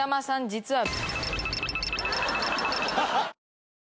実は。